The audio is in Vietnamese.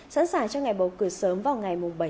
sẵn sàng cho ngày bầu cử sớm vào ngày bảy tháng năm tới đây